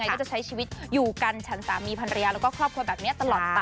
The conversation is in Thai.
ก็จะใช้ชีวิตอยู่กันฉันสามีภรรยาแล้วก็ครอบครัวแบบนี้ตลอดไป